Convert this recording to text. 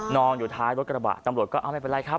อยู่ท้ายรถกระบะตำรวจก็เอาไม่เป็นไรครับ